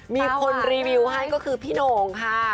มีคนรีวิวให้ก็คือพี่โหน่งค่ะ